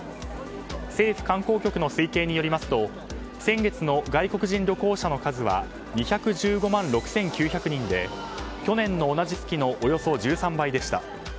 政府観光局の推計によりますと先月の外国人旅行者の数は２１５万６９００人で去年の同じ月のおよそ１３倍でした。